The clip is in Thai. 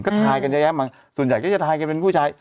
ก็ถ่ายกันจะแยะมั้งส่วนใหญ่ก็จะถ่ายกันเป็นผู้ชาย